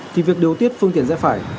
thì việc điều tiết phương tiện dẹp phải